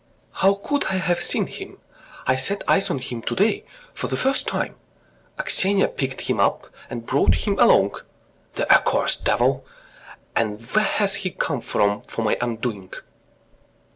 "How could I have seen him? I set eyes on him to day for the first time. Aksinya picked him up and brought him along ... the accursed devil. ... And where has he come from for my undoing!"